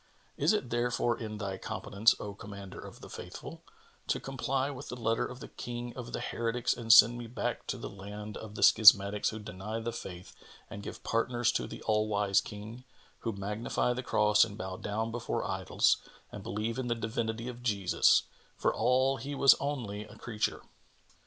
'[FN#22] Is it therefore in thy competence, O Commander of the Faithful, to comply with the letter of the King of the heretics and send me back to the land of the schismatics who deny The Faith and give partners to the All wise King, who magnify the Cross and bow down before idols and believe in the divinity of Jesus, for all he was only a creature?